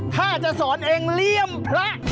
ถ้าจะสอนเองเลี่ยมพระ